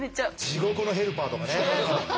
地獄のヘルパーとかね。